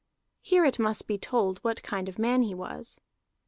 Here it must be told what kind of man he was.